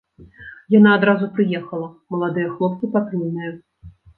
Яна адразу прыехала, маладыя хлопцы патрульныя.